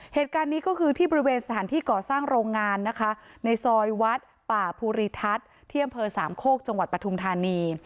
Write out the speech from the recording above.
เหตุการณ์นี้ก็คือที่บริเวณสถานที่ก่อสร้างโรงงานนะคะในซอยวัดป่าภูริทัศน์ที่อำเภอสามโคกจังหวัดปทุมธานี